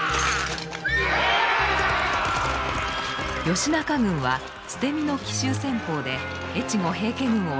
義仲軍は捨て身の奇襲戦法で越後平家軍を襲います。